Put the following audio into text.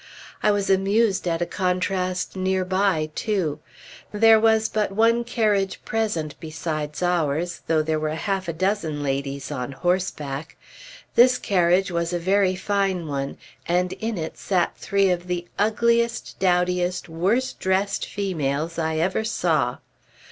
I was amused at a contrast near by, too. There was but one carriage present, besides ours, though there were half a dozen ladies on horseback. This carriage was a very fine one, and in it sat three of the ugliest, dowdiest, worst dressed females I ever saw.